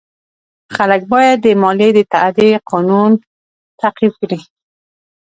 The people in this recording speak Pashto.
خلک باید د مالیې د تادیې قانون تعقیب کړي.